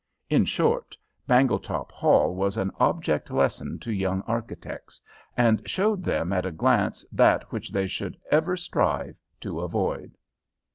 In short, Bangletop Hall was an object lesson to young architects, and showed them at a glance that which they should ever strive to avoid.